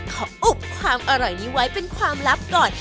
ขออุบความอร่อยนี้ไว้เป็นความลับก่อน